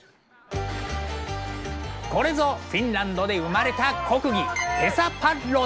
これぞフィンランドで生まれた国技ペサパッロ？